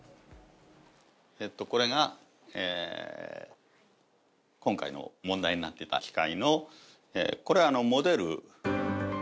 これが、今回の問題になっていた機械の、これモデル。